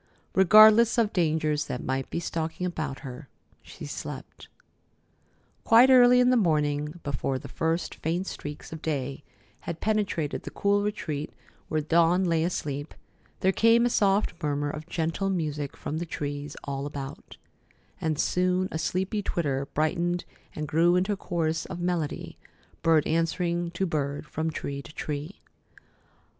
Regardless of dangers that might be stalking about her, she slept. Quite early in the morning, before the first faint streaks of day had penetrated the cool retreat where Dawn lay asleep, there came a soft murmur of gentle music from the trees all about; and soon a sleepy twitter brightened and grew into a chorus of melody, bird answering to bird from tree to tree.